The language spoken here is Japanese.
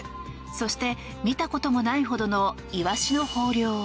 そして見たこともないほどのイワシの豊漁。